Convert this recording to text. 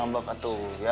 ulang abah katul